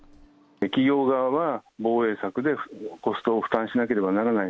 企業側は防衛策でコストを負担しなければならない。